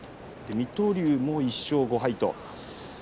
水戸龍も１勝５敗です。